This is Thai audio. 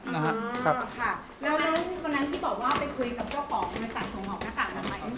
แล้วนั่นที่บอกว่าไปคุยกับเจ้าป๋องในสถานทรงออกหน้ากากลำไหมคืออะไรครับ